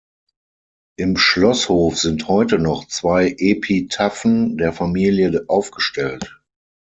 Im Schloßhof sind heute noch zwei Epitaphen der Familie aufgestellt.